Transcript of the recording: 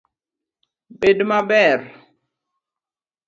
Bed maber